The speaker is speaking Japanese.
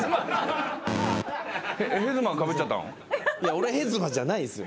俺ヘズマじゃないですよ。